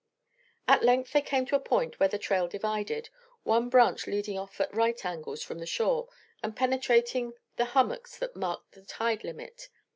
At length they came to a point where the trail divided, one branch leading off at right angles from the shore and penetrating the hummocks that marked the tide limit.